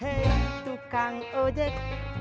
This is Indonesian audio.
hey tukang ojek